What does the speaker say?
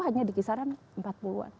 hanya dikisaran empat puluh an